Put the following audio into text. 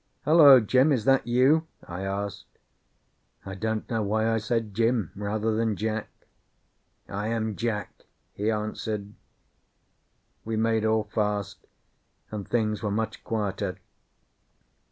"Hullo, Jim! Is that you?" I asked. I don't know why I said Jim, rather than Jack. "I am Jack," he answered. We made all fast, and things were much quieter.